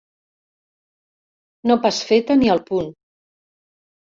No pas feta ni al punt.